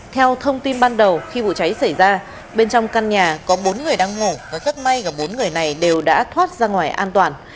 theo thông tin ban đầu khi vụ cháy xảy ra bên trong căn nhà có bốn người đang ngủ và rất may cả bốn người này đều đã thoát ra ngoài an toàn